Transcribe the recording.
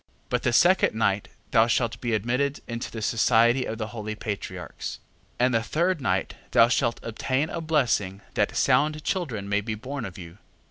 6:20. But the second night thou shalt be admitted into the society of the holy Patriarchs. 6:21. And the third night thou shalt obtain a blessing that sound children may be born of you.